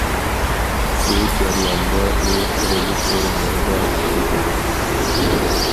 بۇ جەرياندا ئۇ قۇرۇلۇش ئورۇنلىرىدا ئىشلىدى.